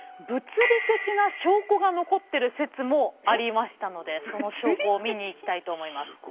物理的な証拠が残ってる説もありましたのでその証拠を見に行きたいと思います。